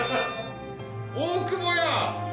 大久保や。